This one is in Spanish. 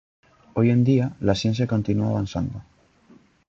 Hoy en día, la ciencia continúa avanzando.